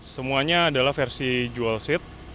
semuanya adalah versi jual seat